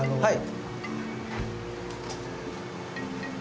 はい。